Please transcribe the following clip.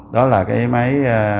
đó là cái máy